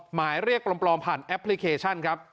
หมายเรียกปลอมผ่านแอปพลิเคชันครับ